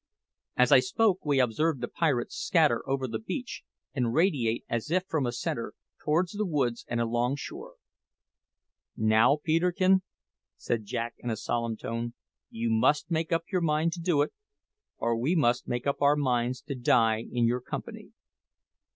As I spoke, we observed the pirates scatter over the beach, and radiate, as if from a centre, towards the woods and along shore. "Now, Peterkin," said Jack in a solemn tone, "you must make up your mind to do it, or we must make up our minds to die in your company."